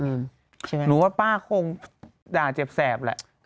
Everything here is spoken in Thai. หนูว่าป้าคงด่าเจ็บแสบแหละ